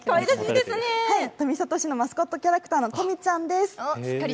富里市のマスコットキャラクターのとみちゃんです。